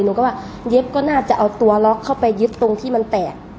หนูก็ว่าเย็บก็น่าจะเอาตัวล็อกเข้าไปเย็บตรงที่มันแตก